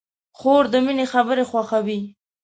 خور د مینې خبرې خوښوي.